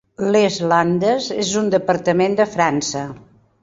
Les Landes és un departament de França.